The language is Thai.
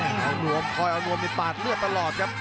อุดมเล็กคอยเอานวมในปากเลือดตลอดครับ